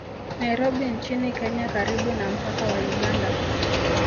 Nairobi nchini Kenya karibu na mpaka wa Uganda